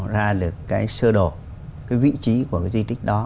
ra được cái sơ đồ cái vị trí của cái di tích đó